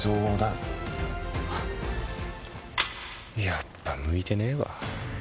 やっぱ向いてねえわ。